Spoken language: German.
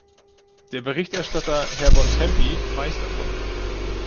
Der Berichterstatter Herr Bontempi weiß davon.